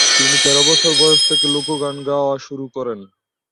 তিনি তের বছর বয়স থেকে লোক গান গাওয়া শুরু করেন।